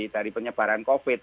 dari penyebaran covid